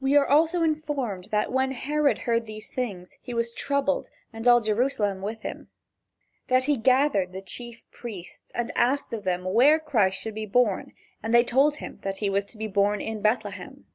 We are also informed that when Herod heard these things he was troubled and all Jerusalem with him; that he gathered the chief priests and asked of them where Christ should be born and they told him that he was to be born in Bethlehem.